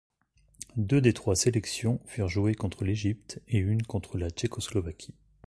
Deux des trois sélections furent jouées contre l'Égypte et une contre la Tchécoslovaquie.